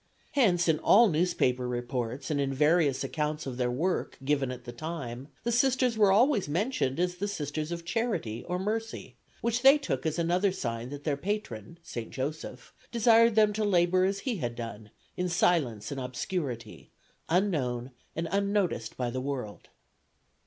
Hence in all newspaper reports and in various accounts of their work given at the time the Sisters were always mentioned as Sisters of Charity or Mercy, which they took as another sign that their patron, St. Joseph, desired them to labor as he had done, in silence and obscurity, unknown and unnoticed by the world.